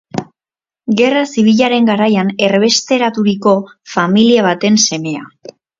Gerra Zibilaren garaian erbesteraturiko familia baten semea.